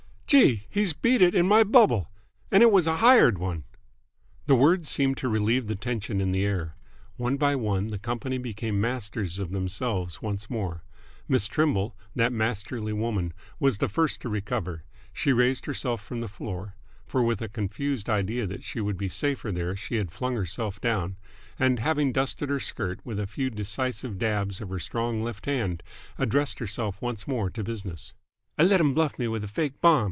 "Gee! He's beat it in my bubble! And it was a hired one!" The words seemed to relieve the tension in the air. One by one the company became masters of themselves once more. Miss Trimble, that masterly woman, was the first to recover. She raised herself from the floor for with a confused idea that she would be safer there she had flung herself down and, having dusted her skirt with a few decisive dabs of her strong left hand, addressed herself once more to business. "I let 'm bluff me with a fake bomb!"